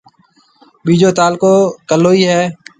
ٻيجو تعلقو ڪلوئِي ھيََََ